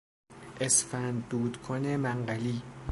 اسفند دود کن منقلی